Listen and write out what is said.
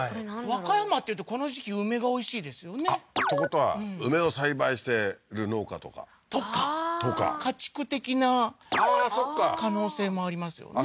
和歌山っていうとこの時期梅がおいしいですよねてことは梅を栽培してる農家とかああー家畜的なああーそっか可能性もありますよね